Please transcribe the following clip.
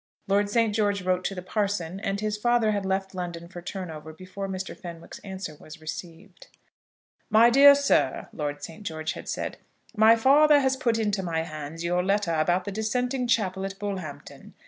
Lord St. George wrote to the parson, and his father had left London for Turnover before Mr. Fenwick's answer was received. MY DEAR SIR, (Lord St. George had said,) My father has put into my hands your letter about the dissenting chapel at Bullhampton.